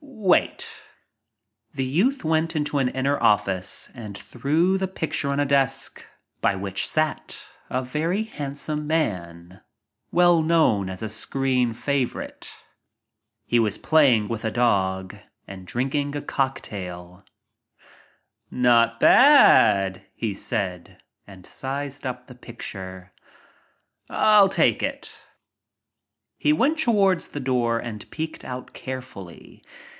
"Wait." The youth went into an inner office and threw the picture on a desk by which sat a very handsome man, well known as a screen favorite. He was with a dog and drinking a "Not bad," he said, and sized up the picture. I'll take a look." He went towards the door and peeked out care fully.